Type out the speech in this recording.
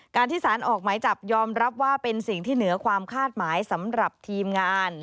ที่สารออกหมายจับยอมรับว่าเป็นสิ่งที่เหนือความคาดหมายสำหรับทีมงาน